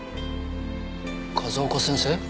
風丘先生？